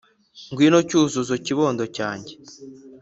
Ngwino Cyuzuzo kibondo cyanjye